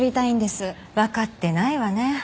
分かってないわね。